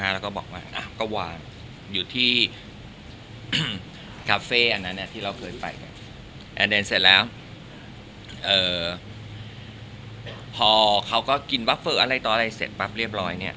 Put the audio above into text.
แล้วเสร็จแล้วพอเขาก็กินวัฟเฟอร์อะไรต่ออะไรเสร็จปั๊บเรียบร้อยเนี่ย